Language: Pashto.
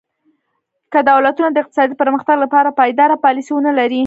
که دولتونه د اقتصادي پرمختګ لپاره پایداره پالیسي ونه لري.